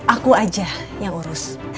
aku aja yang urus